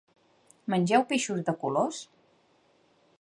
Mengeu peixos de colors?